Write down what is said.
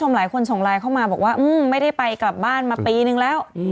หลายคนส่งไลน์เข้ามาบอกว่าไม่ได้ไปกลับบ้านมาปีนึงแล้ว